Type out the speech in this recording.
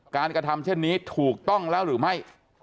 กระทำเช่นนี้ถูกต้องแล้วหรือไม่